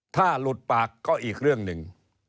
ถ้าหลุดปากก็อีกเรื่องหนึ่ง